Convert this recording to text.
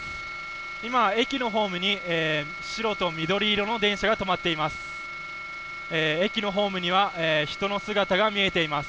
今、駅のホームに白と緑色の電車が止まっています。